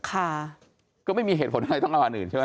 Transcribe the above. ค่ะก็ไม่มีเหตุผลอะไรต้องรางวัลอื่นใช่ไหม